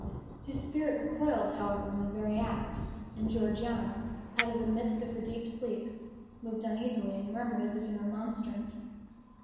His spirit recoiled, however, in the very act, and Georgiana, out of the midst of her deep sleep, moved uneasily and murmured as if in remonstrance.